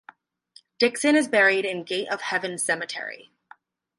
Dixon is buried in Gate of Heaven Cemetery.